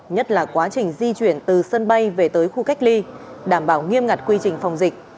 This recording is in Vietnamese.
nhất là quá trình di chuyển từ sân bay về tới khu cách ly đảm bảo nghiêm ngặt quy trình phòng dịch